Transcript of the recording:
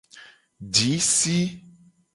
Ji si.